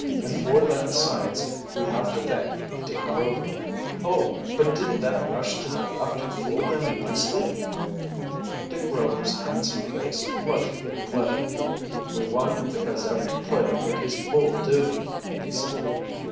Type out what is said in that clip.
"And for that science we have to thank Dick Rover. Oh, but didn't that rush to the left fool them nicely!" Dick Rover's handsome face flushed with pleasure. "We won because every player did his full duty," he said.